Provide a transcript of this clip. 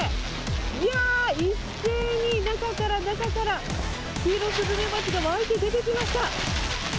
いやー、一斉に、中から中から、キイロスズメバチが沸いて出てきました。